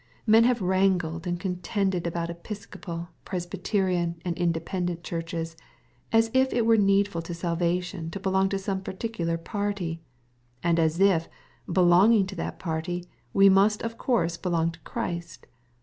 Men have wrangled and contended about Episcopal, Pres byterian, and Independent Churches, as if it were needful to salvation to belong to some particular party, and as if, belonging to that party, we must of course belong to Christ.